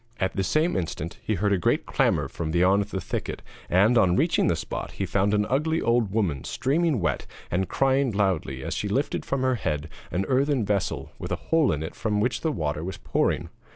At the same instant he heard a great clamour from beyond the thicket, and, on reaching the spot, he found an ugly old woman streaming wet and crying loudly as she lifted from her head an earthen vessel with a hole in it from which the water was pouring.